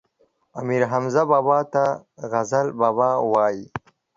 امير حمزه بابا ته غزل بابا وايي